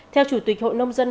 theo chủ tịch hội nông dân